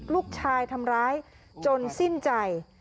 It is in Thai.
ลูกชายทำร้ายจนสิ้นใจ